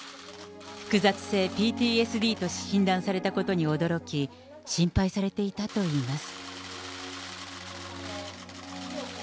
複雑性ＰＴＳＤと診断されたことに驚き、心配されていたといいます。